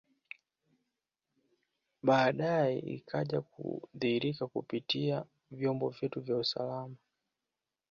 Baadae ikaja kudhihirika kupitia vyombo vyetu vya usalama